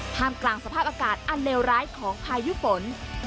มกลางสภาพอากาศอันเลวร้ายของพายุฝน